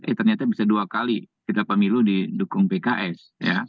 eh ternyata bisa dua kali kita pemilu di dukung pks ya